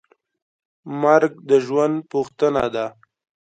مرګ د ژوند پوښتنه ده.